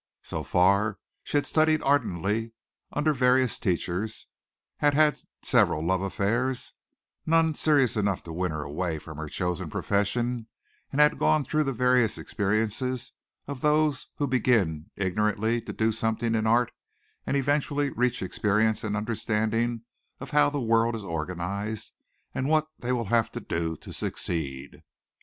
So far she had studied ardently under various teachers, had had several love affairs, none serious enough to win her away from her chosen profession, and had gone through the various experiences of those who begin ignorantly to do something in art and eventually reach experience and understanding of how the world is organized and what they will have to do to succeed.